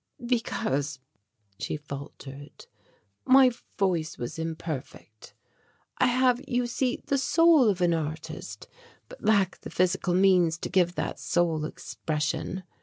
"Because," she faltered, "my voice was imperfect. I have, you see, the soul of an artist but lack the physical means to give that soul expression.